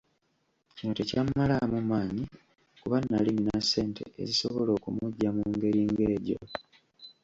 Kino tekyammalaamu maanyi kuba nnali nnina ssente ezisobola okumuggya mu ngeri ng’egyo.